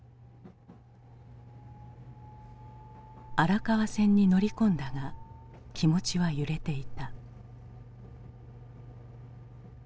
荒川線に乗り込んだが気持ちは揺れていた。